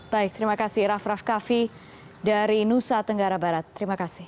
baik terima kasih raff raff kaffi dari nusa tenggara barat terima kasih